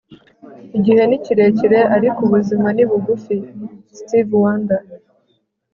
igihe ni kirekire ariko ubuzima ni bugufi. - stevie wonder